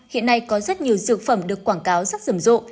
hiện nay có rất nhiều dược phẩm được quảng cáo rất rầm rộ